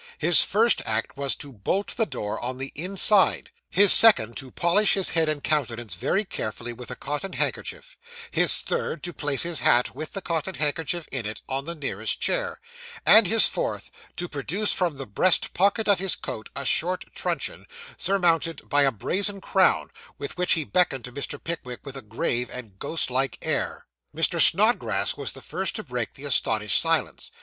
His first act was to bolt the door on the inside; his second, to polish his head and countenance very carefully with a cotton handkerchief; his third, to place his hat, with the cotton handkerchief in it, on the nearest chair; and his fourth, to produce from the breast pocket of his coat a short truncheon, surmounted by a brazen crown, with which he beckoned to Mr. Pickwick with a grave and ghost like air. Mr. Snodgrass was the first to break the astonished silence.